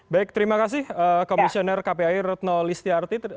baik terima kasih komisioner kpi rutno listiarti